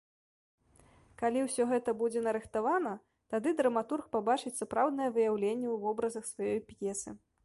Калі ўсё гэта будзе нарыхтавана, тады драматург пабачыць сапраўднае выяўленне ў вобразах сваёй п'есы.